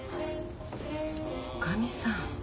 おかみさん。